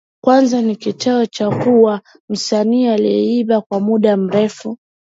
Kwanza ni kitendo cha kuwa msanii aliyeimba kwa muda mrefu